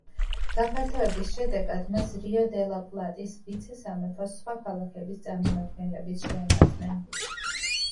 გაფართოების შედეგად მას რიო-დე-ლა-პლატის ვიცე-სამეფოს სხვა ქალაქების წარმომადგენლებიც შეემატნენ.